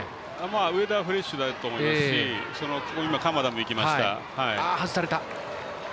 上田はフレッシュだと思いますし鎌田も行きました。